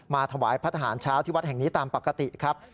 ถวายพระทหารเช้าที่วัดแห่งนี้ตามปกติครับ